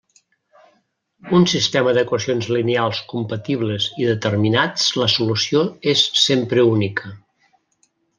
Un sistema d'equacions lineals compatibles i determinats la solució és sempre única.